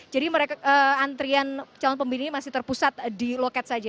jadi antrian calon pembeli ini masih terpusat di loket saja